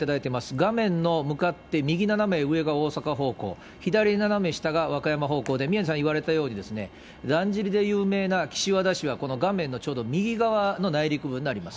画面の向かって右斜め上が大阪方向、左斜め下が和歌山方向で、宮根さん言われたように、だんじりで有名な岸和田市は、この画面のちょうど右側の内陸部になります。